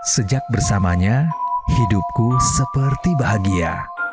sejak bersamanya hidupku seperti bahagia